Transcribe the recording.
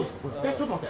ちょっと待って。